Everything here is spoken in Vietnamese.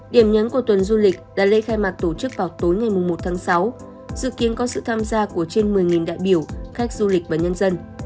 điểm nhấn của tuần du lịch là lễ khai mạc tổ chức vào tối ngày một tháng sáu dự kiến có sự tham gia của trên một mươi đại biểu khách du lịch và nhân dân